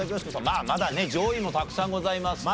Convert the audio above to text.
まあまだね上位もたくさんございますから。